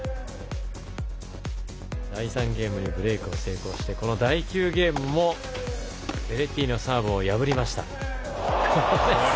第３ゲームでブレーク成功して第９ゲームもベレッティーニのサーブを破りました。